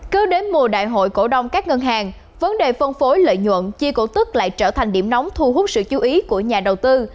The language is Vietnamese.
cứ đến mùa đại hội cổ đông các ngân hàng vấn đề phân phối lợi nhuận chi cổ tức lại trở thành điểm nóng thu hút sự chú ý của nhà đầu tư